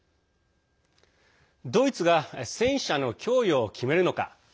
ドイツが戦車の供与を決めるのか。